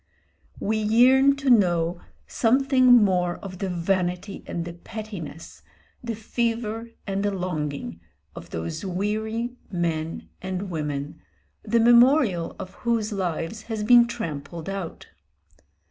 We yearn to know something more of the vanity and the pettiness, the fever and the longing, of those weary men and women, the memorial of whose lives has been trampled out.